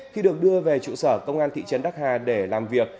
khi được đưa về trụ sở công an thị trấn đắc hà để làm việc